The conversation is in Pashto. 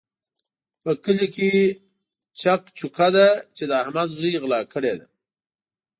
په کلي کې چک چوکه ده چې د احمد زوی غلا کړې ده.